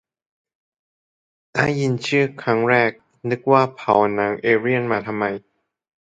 ได้ยินชื่อตอนแรก นึกว่าเผาหนังเอเลี่ยนมาทำใหม่